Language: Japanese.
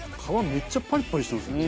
めっちゃパリパリしてますね。